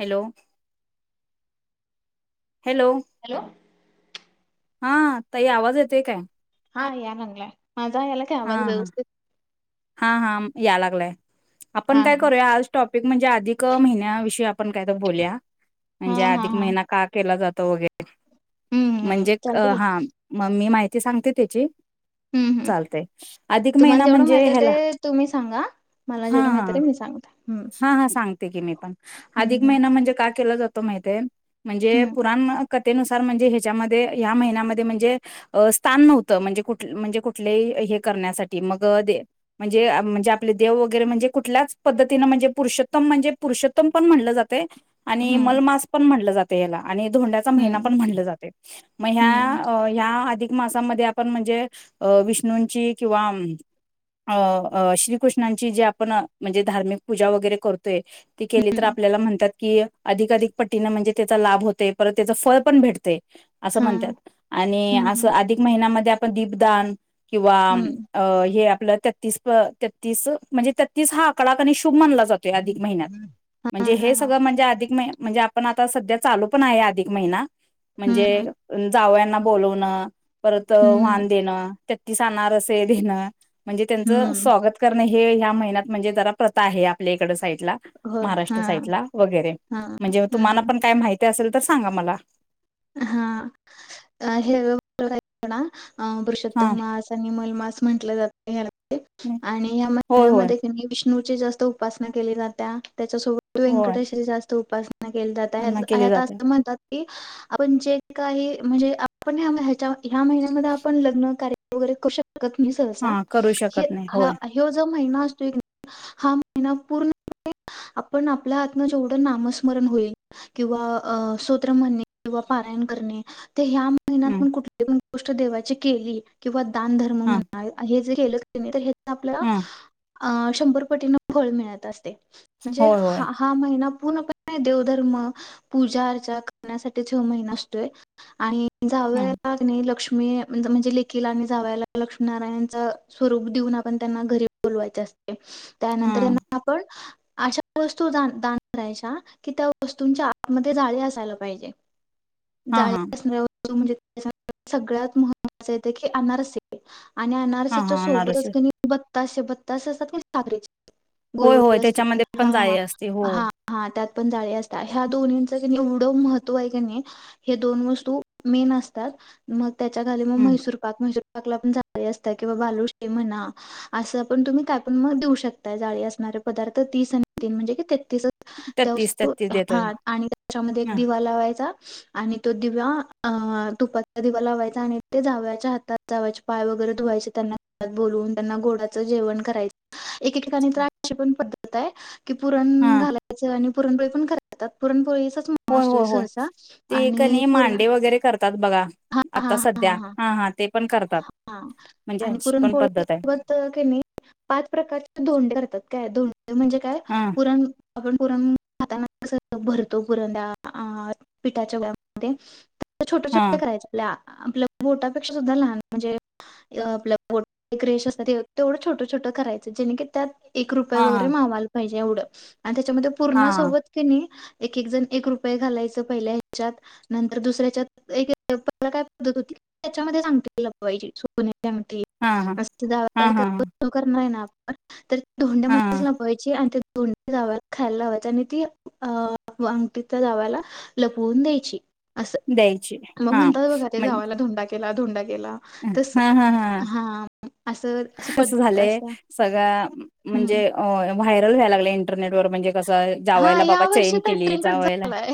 Hello hello? Hello हां ताई आवाज येतोय काय? हां या लागलाय. माझा यालाय काय आवाज व्यवस्थित? हां हां अम्म या लागलाय. आपण हा काय हा करूया आज टॉपिक म्हणजे अधिक महिन्याविषयी आपण काहीतर बोलूया, हा म्हणजे हा अधिक हा महिना का केला जा तो वगै हम्म हम् म्हणजे अ चालत की हां म मी माहि ती सांगते त्याची. चालतयं अधिक महिना म्हण त ते तुम्ही सांगा, मला जेवढं माहितेय मी सांगतो. हां हां सांगते की मी पण अधिक हम्म महिना म्हणजे का केला जातो माहितेय? म्हणजे हम्म पुराण कथेनुसार म्हणजे ह्याच्यामध्ये ह्या महिन्यामध्ये म्हणजे अ स्थान नव्हतं. म्हणजे कुठ म्हणजे कुठलेही हे करण्यासाठी मग दे म्हणजे म्हणजे आपले देव वगैरे म्हणजे कुठल्याच पद्ध तीन म्हणजे पुरुषोत्तम म्हणजे पुरुषोत्तम पण म्हणलं जातंय. आणि हम्म मलमास पण म्हणलं जात तय ह्याला. आणि धोंड्याचा महिना हम्म पण म्हणलं जातंय मग ह्या हम्म ह्या अधिक मासामध्ये आपण म्हणजे अ विष्णूंची किंवा अ अ श्रीकृष्णांची जे आपण म्हणजे धार्मिक पूजा वगैरे करतोय. ती केली तर आपल्याला म्हणतात की अधिकाधिक पटीनं म्हणजे त्याचा लाभ होतेय परत त्याच फळ पण भेट तय असं हा म्हणत्यात आणि हम्म असं हम्म अधिक महिन्यामध्ये आ पण दिपदान किंवा हम्म अ हे म्हणजे तत्तीस व तत्तीस म्हणजे तत्तीस हा आकडा शुभ. मानला जातोय अधिक महिन्यात. हा म्हणजे हा हे हा सगळ म्हणजे अधिक महिन्यात. म्हणजे आपण आता सध्या चालू पण आहे. अधिक महिना. म्हणजे हम्म जावया ना बोलावंन. परत हम्म वाण देणं. तत्तीस अनारसे देणं. म्हणजे त्यांचं हम्म स्वागत करणे हि हे ह्या महिन्यात म्हणजे जरा प्रथ ता आहे आपल्या इकडे साईड ला हो हा महाराष्ट्र साईडला वगैरे, हा म्हणजे तुम्हाला हम्म पण काय माहित ते असेल तर सांगा मला. हा, अ [inaudible] हे अ हा पुरुषोत्तम मास आणि महीमास म्हंटलं जाते आणि या होय होय महिन्यामध्ये कनी विष्णू ष्णूची जास्त उपासना केली जात्या. त्याच्यासोबत होय व्यंकटेश हे जास्त तो उपास केले जात, त्यांना ह्यात केली ह्यात अस जाते म्हणतात की आपण जे काही म्हणजे आपण ह्यामध्ये ह्याच्या ह्या महिन्यामध्ये आपण लग्नकार्य वगैरे कशात [unintelligible] सहसा हा करू शकत हे नाही हा होय हयो जो महिना [inaudible] हा महिना पूर्ण पणे आपण आपल्या हातनं जेवढं नामस्मरण होईल किंवा सुत्र म्हणणे किंवा पारायण करणे ते ह्या महिन्यात हम्म पण कुठले पण गोष्ट देवाची केली किंवा - दान धर्म हा म्हणा हे जर [unintelligible] [unintelligible] [unintelligible] आपल्या हा अ शंभर पटीन फळ मिळत असते म्हणजे होय होय हा हा महिना पूर्णपणे देवधर्म पूजा अर्चा [unintelligible] महिना असतोय आणि - ह जावयाला कणो लक्ष्मी मी म्हणजे लेकीला आणि जावयाला लक्ष्मीनारायणच स्वरूप देऊन आपण त्यांना घरी बोलवायच असत [inaudible] हा त्यानंतर त्यांना आपण अशा वस्तू दान दान करायच्या की त्या वस्तूंच्या आतमध्ये जाळी असायला - पाहिजे - [inaudible] हा हा [unintelligible] म्हणजे त्या सगळ्यात महत्त्वाच येत की अनारसे आणि हा अजारस्याच्या हा अनारसे सोबतच [unintelligible] असे [unintelligible] होय होय गोलगोल असतात. ते त्याच्यामध्ये हा पण हा जाळी असते हो हा हा त्यात पण जाळी असत्या, ह्या दोनीच कणी एवढ महत्व हाय कणी, हे दोन वस्तू मेन असतात म त्याच्या खाली मग हम्म मैसूर पाक पाकला पण जाळी असत्या किंवा बालुशाही म्हणा, असं पण तुम्ही काय पण मग देऊ शकताय. जाळी असणारे पदार्थ तीस आणि तीन म्हणजे क तेतीस त्या तेहतीस वस्तू तेहतीस देतोय हा आणि त्याच्यामध्ये ह दिवा लावायचा आणि तो दिव्या अ तुपातला दिवा लावायचा, आणि ते जाव्याच्या हातात, जाव्याचे पाय वगैरे धुवायचे त्यांनात बोलून, त्यांना गोडाचं जेवण करायच. एके ठिकाणी तर अशी पण पद्धताय कि पुरण हा घालायचं आणि पुरणपोळी पण करतात. पुरणपोळीच होय तो होय होय सहसा ते आणि कणी पुर मांडे वगैरे करतात बघा - हा हा आता सध्या हा. ते पण करतात हा म्हणजे आणि अशी पुरण पण पोळी पद्धत आहे सोबत कणी पाच प्रकारचे धोंडे करतात काय धों म्हणजे काय हा पुरण आपण पुरण खाताना कस, भरतो पुरंदा अ पिठाच्या गोळ्यामध्ये छोट हा छोट करायलच. आपल्या आपले बोटापेक्षा सुद्धा लहान म्हणजे, अ आपल बोट रेष असते तेवढं छोटं छोट करायचं जेणे की त्यात एक रुपया हा वगैरे हा मावायला पाहिजे. एवढच आणि त्याच्यामध्ये हा पूर्णासोबत कनी एक एक जण एक रूप हे घालायच पहिल्या ह्याच्यात, नंतर दुसऱ्या हेच्यात पहिला काय पद्धत होती, त्याच्यामध्ये आंगठी लपवायची सोन्या हा हा हा हा [unintelligible] अथ तरी हा धोंड्यामध्येच हा लापवायची आणि त्यात धोंडी जावायाला खायला लावायची आणि ती अ अंगठीत त्या जावा्याला लपवून द्यायची. असं द्यायची मग हा म्हणतात बघा ते म्हण जावायला धोंडा दि त्याला धोंडा त्याला तस हा असं असं अस पद्धत झालंय. असत्या सगळं हम्म. म्हणजे व्हायरल व्हायला लागलय इंटरनेट वर म्हणजे जस हा जावयाला या बाबा वर्षी चैन तर केली, ट्रेंडच जावयाला झालाय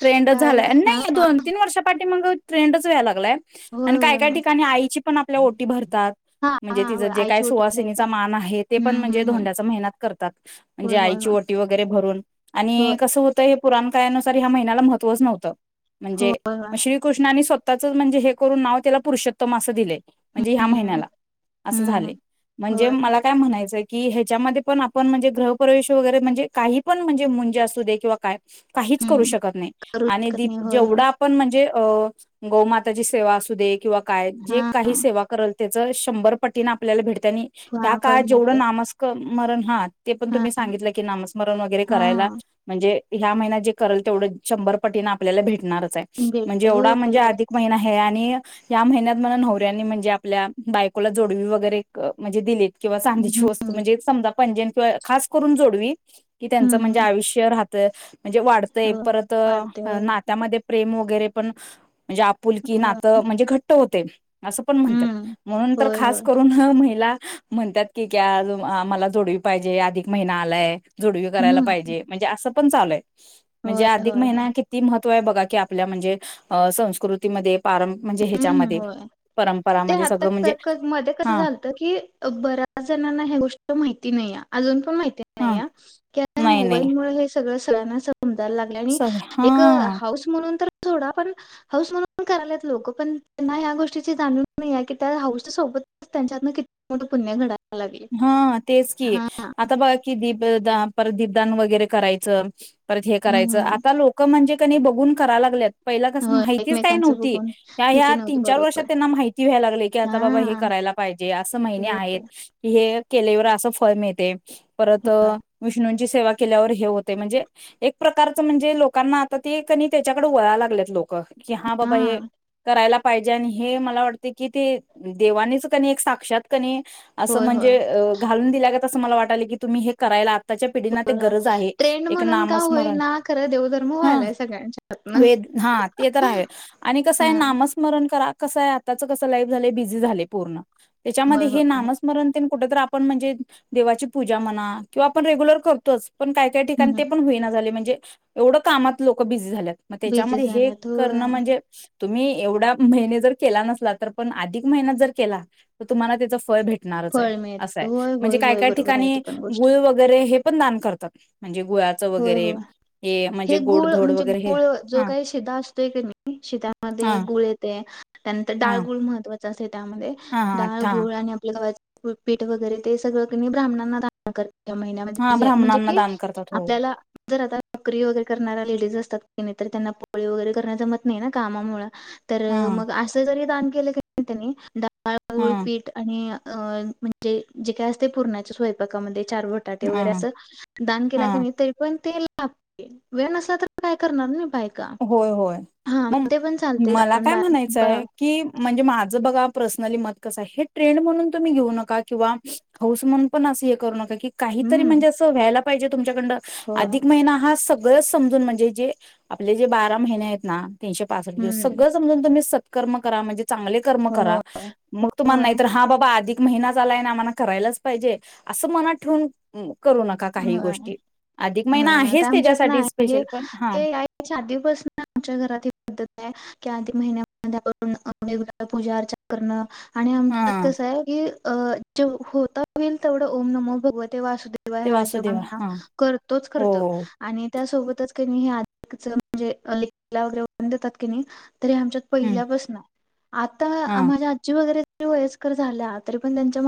ट्रेंडच त्यावेळेला झालया. हा नाही दोन तीन वर्षे पाठी आणि मग ट्रेंडच व्हाय लागलाय होय आणि काय होय काय होय. ठिकाणी आईची पण आपल्या ओटी भरतात. हा म्हणजे हा तिचं होय जे काय आईची ओटी घ्यायचा सुवासिनीचा मान आहे ते पण हम्म म्हणजे हम्म हम्म धोंड्याचा महिन्यात करतात होय म्हणजे होय आईची होय. ओटी वगैरे भरून आणि कसं होतं हे पुराण काळानुसार ह्या महिन्याला महत्वच नव्हतं होय म्हणजे होय म होय श्रीकृष्णानी स्वतः त्याच म्हणजे हे करून नाव त्याला पुरुषोत्तम असं दिलेय म्हणजे ह्या हम्म महिन्याला असं हम्म झालेय म्हणजे होय मला काय म्हणायचंय कि ह्याच्यामध्ये पण आपण म्हणजे गृहप्रवेश वगैरे म्हणजे काही पण म्हणजे मुंजे असू दे किंवा काय की काहीच करू हम्म शकत नाही करू आणि शकत नाही दिप होय होय जेवढं आपण म्हणजे अ गोमाताची सेवा असू दे किंवा काय जे हा काही सेवा कराल त्याचा शंभर त्या पटीने आपल्याला भेट त्यांनी हया हा काळात करून जेवढं येते नामस्कन स्मरण हा ते पण हा तुम्ही सांगितलं की नामस्मरण वगैरे हा करायला म्हणजे ह्या महिन्यात जे करल तेवढं शंभर पटीने आपल्याला भेट णारच आहे म्हणजे भेटते एवढा होय म्हणजे होय अधिक महिना हे आहे आणि या महिन्यात मला नवऱ्याने म्हणजे आपल्या बायको कोला जोडवी वगैरे म्हणजे दिली किंवा चांदीची वस्तू हम्म म्हणजे एक समजा पैंजण किंवा खास करून जोडवी की त्यांचं म्हणजे हम्म आयुष्य राहत त म्हणजे वाढतंय होय परत वाढते अ होय नात्यामध्ये प्रेम वगैरे पण म्हणजे आपुलकी होय नातं म्हणजे घट ट्ट होते. असं पण म्हणत्यात हम्म म्हणून तर होय खास होय करून ह महिला म्हणतात की क्या अजून आम्हाला जोडवी पाहिजे अधिक महिना आलाय. जोडवी करायला हम्म पाहिजे म्हणजे असं पण चाललय. म्हणजे होय अधिक होय होय महिना किती महत तोय बघा की आपल्या म्हणजे अ संस्कृतीमध्ये पारम म्हणजे हम्म ह्याच्यामध्ये होय ते परंपरामध्ये आता सगळं म्हणजे मध्ये कस हा झालत की बऱ्याच जणांना ह्या गोष्ट माहिती नाहीय अजून पण माहिती नाही हा की आता या नाही मोबाईल नाही मुळे हे स सगळं सगळ्यांना सम समजायला लागलंय आणि सग एक हा हौस म्हणून तर थोडा पण हौस म्हणून पण करायलात लोक. पण त्यांना ह्या गोष्टीची जाणीव नाहीेये त्या हौशी सोबत त्यांच्या हातन किती मोठ पुण्य घडा हा तेच की आता बघा की दीप दान परत दीपदान वगैरे करायचं. परत हे हम्म करायचं हम्म आता लोक म्हणजे की नाही बघून करा लागल्यात. पहिला कस होय माहितीच काही एकमेकांचं नव्हती बघून त्या ह्या माहिती तीन नव्हतं चार वर्षात बरोबर त्यांना माहिती व्यायला लागलय की आता हा बाबा हे करायला पाहिजे असं महिने आहेत. हे केल्यावर असं फळ मिळते. परत विष्णूंची सेवा केल्यावर हे होते. म्हणजे एक प्रकारच म्हणजे लोकांना आता ते कनी त्याच्याकडे वळा लागलेत लोक. की हा बाबा हे करायलागत पाहिजे आणि हे मला वाटते की ते देवानीच कनी एक साक्षात कनी असं होय होय म्हणजे होय घालून दिल्यागत तसं मला वाटायले की तुम्ही हे करायलात आताच्या पिढींना ते होय. गरज आहे ट्रेंड एक म्हणून का नामस्मरण होईना खरं देवधर्म हा व्हायलाय सगळ्यांच्या हातनं. वेद हा ते तर आहे आणि कसं आहे हा नामस्मरण करा कसं आहे. आताचं कसं लाईफ झालंय बिझी झाले पूर्ण. त्याच्यामध्ये होय होय हे नामच कुठे तर आपण म्हणजे देवाची पूजा म्हणा. किंवा आपण रेग्युलर करतोच. पण काय काही ठिकाण ते हम्म पण होईना झाले म्हणजे एवढं कामात लोक बिझी झाल्यात मग बिझी त्याच्यामध्ये हे झाला तो करणं म्हणजे तुम्ही एवढा महिने जर केला नसला तर पण अधिक महिना जर केला तर तुम्हाला त्याच फळ भेटत. फळ अस मिळत होय म्हणजे होय काय होय काय बरोबर आहे ठिकाणी ती पण गुळ वगैरे हे पण दान करतात. म्हणजे गुळाचं हो वगैरे हो हे म्हणजे गुळ गोडधोड म्हणजे वगैरे हे गुळ हा जो काही शिधा असतोय का नाही हा शिधामध्ये गुळ येतोय त्यानंतर हा डाळगुळ महत्त्वा तसेच त्यामध्ये हा हा डाळ अठ्ठा गुळ आणि आपल गव्हाचं म पीठ वगैरे ते सगळं कनी ब्राह्मणांना दान कर त्या हा महिन्यामध्ये म्हणजे ब्राह्मणांना कि दान करतात हो आपल्याला जर आता नोकरी वगैरे करणाऱ्या लेडीज असतात तर त्यांना पोळी वगैरे करन जमत नाही ना कामामुळ तर हा मग असं जरी दान केलं कणी त्यांनी दान- डाळ, हा गुळ, पीठ आणि- अ म्हणजे, जे काय असते पुरणाच्या स्वयंपाकामध्ये- चार बटाटे हा वगैरे अस दान- तिला हा कणी तरी पण- तेल लाव की वेळ नसला तर काय करणार बायका. होय होय हा मग ते पण चालते मला आपण काय बा बा म्हणायचंय की, म्हणजे माझं बघा- प्रसनली मत कसं आहे? हे ट्रेड म्हणून तुम्ही घेऊ नका किंवा हौस म्हणून पण अस हे करू नका की- की काहीतरी हम्म म्हणजे असं व्हायला - होय. [unintelligible] [unintelligible] [unintelligible] आपले जे बारा महिने आहेत ना. हम्म [unintelligible] कर्म करा, म्हणजे? चांगले कर्म करा. होय. मग तुम्हाला नाही होय. तर हा बाबा आधिक महिना झालाय ना, आम्हाला करायलाच पाहिजे असं मनात ठेवून, ऊ करू नका काही होय. गोष्टी. अधिक महिना हम्म आता आहेच आमच्यात ना त्याच्यासाठी हे स्पेशल. पण हा [unintelligible] हा [unintelligible] तेव्हा [unintelligible] असू देवा हा हो हो [unintelligible] [unintelligible] [unintelligible] ते हम्म हा वयस्कर झाल्यात.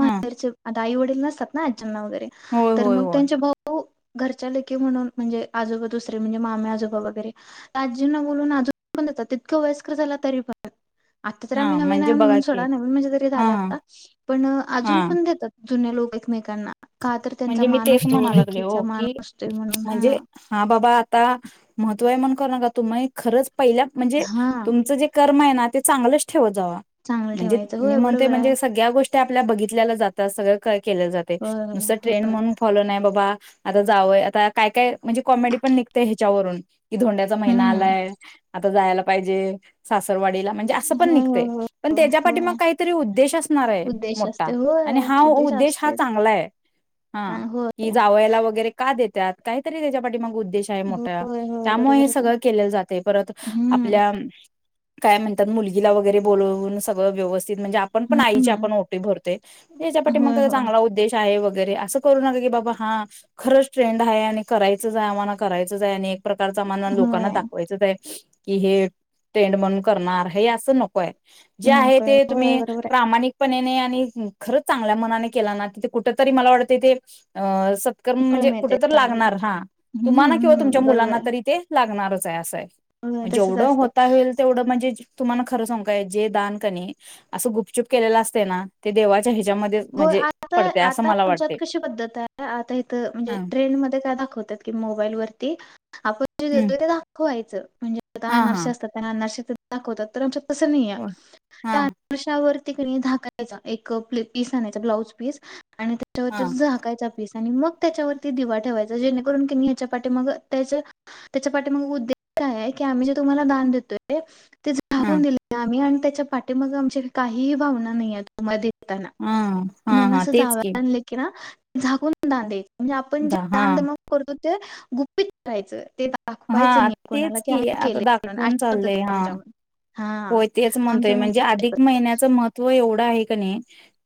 हा ताई- वडील नसतात ना? होय होय होय [unintelligible] [unintelligible] [unintelligible] आता तर आम्ही हा नवीन आहे, म्हणजे बघा म्हणून की सोडा. नवीन म्हणजे तरी हा झालात ना? पण अजून हा पण देतात. जुने लोक एकमेकांना. का तर. त्यांचा म्हणजे मी मान तेच असतो म्हणा लागले ओ, लेकीचा मान की असतोय म्हणून हा म्हणजे हा बाबा आता म तु हाय म्हणून करू नका, तुमय खरच पहिल्या म्हणजे हा तुमचं जे क म हाय ना ते चांगलंच ठे ठेवत जावा, चांगलं म्हणजे ठेवायचं मी होय म्हणतोय बरोबर आहे म्हणजे सगळ्या गोष् ते आपल्या बघितलेलं जातं सगळं कळ केलं जातंय. होय होय नुसता ट्रेंड म्हणून फॉलो नाही बाबा! आता जावय, आता काय काय म्हणजे कॉमेडी पण निघतय हेच्यावरून. कि धोंड्याचा महिना हम्म आलाय, आता जायला पाहिजे सास रवाडीला म्हणजे असं पण होय होय निघतंय, होय पण त्याच्या पाठीमागं होय काहीतरी उद्देश असणार आहे उद्देश मोठा असते आणि होय हा उद्देश हा असतेच चांगला हाय. हा, होय कि जावयाला वगैरे का का देत्यात, काहीतरी त्याच्या पाठीमागं उद्देश आहे मोठा, होय होय त्यामुळे बरोबरच आहे सगळं केले जातंय परत हम्म आपल्या काय म्हणतात मुलगीला वगैरे बोलवून सगळं व्यव स्थित म्हणजे आपण आईची हम्म आपण ओटी भरतोय याच्या होय पाठीमागं होय चांगला उद्देश आहे व गैरे असं करू नका की बाबा हां खरंच ट्रेंड हाय आणि करायचच हाय आम्हाला करायचंच आहे आणि एक प्रकारच आम्हाला लोकांना होय दाखवायचं हाय. की हे ट्रेंड म्हणून करणार हे असं नकोय. जे आहे ते नकळत होय तुम्ही बरोबर प्रामाणिक पणेने आणि खरंच चांगल्या मनाने केला ना तिथे कुठं तरी मला वाटतंय ते अ सत्कर्म आहे. कळ म्हणजे मिळतय कुठंतर चांगलं लागणार हां हम्म तुम्हाला किंवा तुमच्या हम्म बरोबर मुलांना आहे. तरी ते लागणारच. [unintelligible] असं आहे. होय तसच जेवढं असते होता होईल तेवढं म्हणजे जे तुम्हाला खरं सांगू काय जे दान कनी असं गुपचुप केलेलं असतंय ना ते देवाच्या ह्या ज्यामध्ये होय म्हणजे आता पड आता आमच्यात कशी पद्धत आहे आता हितं हा म्हणजे ट्रेंडमध्ये काय दाखवतात की मोबाईलवरती आपण जे हम्म देतोय ते दाखव वायचं. म्हणजे हा हा [unintelligible] असतात त्यांना [unintelligible] दाखवतात तर आमच्यात. तस नाय हो हा त्या [unintelligible] ते कनी दहा घ्यायचा एक प्लेट. पीस आणायचा ब्लाउज पीस. आणि हा त्याच्यावरती झाकायचा पीस. आणि मग त्याच्यावरती दिवा ठेवायचा. जेणेकरून कनी हेच्या पाठीमाग त्या त्याच्या पाठीमग उद्देश काय हाय. की आम्ही जे तुम्हाला दान देतोय. ते हा झाकून दिले आम्ही आणि. त्याच्या पाठीमाग आमच्या काहीही भावना नाहीत तुम्हाला देताना. हा. हा. म्हणून हा. असं तेच की. जावयाला आणले ना झाकून दान द्यायचं. म्हणजे आपण जे दा हा दानधर्म करतो. गुपित ठेवायचं. हां तेच की. आता म्हणून दाखवून अशी पद्धत चाललंय आहे हां. आमच्यामध्ये. हा होय तेच म्हणतोय. म्हणजे आमच्यामध्ये अधिक महिन्याचं महत्व एव ढ आहे कणी.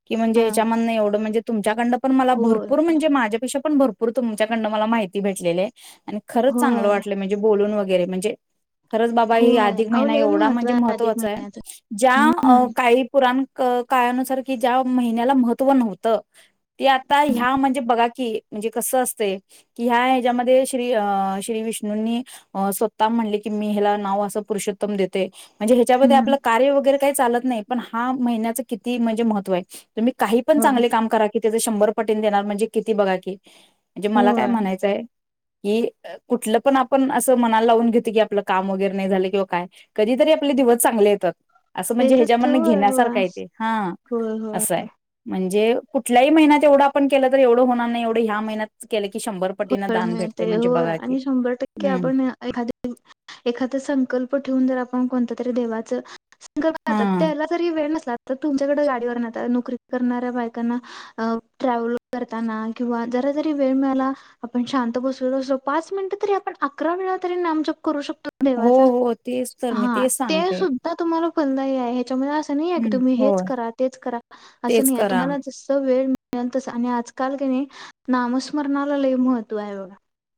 की म्हणजे हा हेयाच्यामधन एवढं म्हणजे. त्याकडनं पण मला होय भरपूर म्हणजे माझ्यापेक्षा पण भरपूर तुमच्याकडनं मला माहिती भेटलेली आहे. आणि खरंच चांगलं होय वाटलं म्हणजे बोलून व गैरे म्हणजे खरंच बाबा हे होय अधिक अहो महिना लय एवढा महत्व म्हण आहे अधिक महत्वाचं आहे महिन्याचं ज्या अ हम्म काही पु पुराण क काळानुसार की ज्या महिन्याला महत्त्व नव्हतं, ते आता ह्या म्हणजे बघा की म्हणजे कसं असतंय की ह्या ह्याच्यामध्ये श्री अ श्री विष्णूंनी अ स्वतः म्हणले की मी ह्याला नाव असं पुरुषोत्तम देतोय. म्हणजे ह्याच्यामध्ये हम्म आपलं कार्य वगैरे काही चालत नाही पण हा महिन्याचं किती म्हणजे महत्व आहे. तुम्ही काही पण होय चांगले काम करा की त्याज शंभर पटीने देणार म्हणजे किती बघा की? म्हणजे मला काय होय म्हणायचंय. की अ कुठलं पण आपण असं मनाला लावून घेतो की आपलं काम वगैरे नाही झालं किंवा काय कधीतरी आपले दिवस चांगले येतात. असं ते म्हणजे तर ह्याच्यामधन होय होय घेण्यासारखा आहे ते हां होय होय. असंय म्हण जे कुठल्याही महिन्यातवढ आपण केलं तर एवढं होणार नाही एवढं ह्या महिन्यात केलं की शंभर पटीनं होय दान भेटते मिळतंय म्हणजे होय बघा की आणि शंभर टक्के हम्म आपण एखा एखादा संकल्प ठेवून जर आपण कोणतं तर देवाचं संकल्प आता हा त्याला जरी वेळ नसला तर तुमच्याकडे गाडीवर न नोकरी करणाऱ्या बायकांना, ट्रॅव्हल करताना किंवा जरा जरी वेळ मिळाला आपण शांत बसून असो पाच मिनिटं तरी आपण अकरा वेळा तरी नामजप करू शक हो-हो तेच तर मी तेच सांगते. फलदाई आहे. त्यामुळं असं नाहीये की हम्म तुम्ही हेच होय करा तेच करा अस तेच नाहीये करा तुम्हाला जसं वेळ मिळ मिळेल तसं आणि आजकाल क नाही नामस्मरणा ला लई महत्व आहे बघा.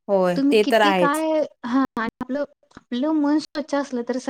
होय तुम्ही ते तर किती आहेच. काय हां, आणि आप आपलं मन स्वच्छ असलं तर स